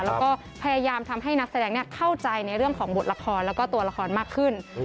แล้วก็พยายามทำให้นักแสดงเข้าใจในเรื่องของบทละครแล้วก็ตัวละครมากขึ้น